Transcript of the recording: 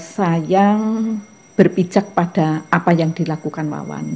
saya berpijak pada apa yang dilakukan wawan